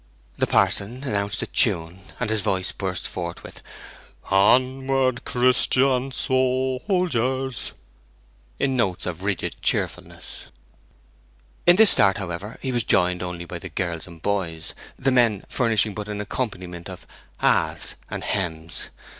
The parson announced the tune, and his voice burst forth with 'Onward, Christian soldiers!' in notes of rigid cheerfulness. In this start, however, he was joined only by the girls and boys, the men furnishing but an accompaniment of ahas and hems.